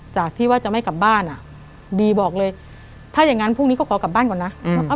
จากที่ว่าจะไม่กลับบ้านอ่ะบีบอกเลยถ้าอย่างงั้นพรุ่งนี้ก็ขอกลับบ้านก่อนนะ